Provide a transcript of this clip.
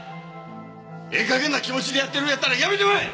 ええ加減な気持ちでやってるんやったら辞めてまえ！